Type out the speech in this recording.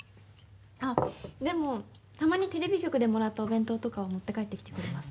あっ、でもたまに、テレビ局でもらったお弁当とかは持って帰ってきてくれます。